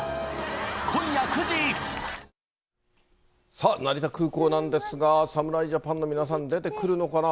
さあ、成田空港なんですが、侍ジャパンの皆さん、出てくるのかな。